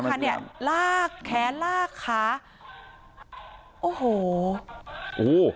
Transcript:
ใช่ค่ะเนี่ยลากแขนลากขาโอ้โหโอ้โห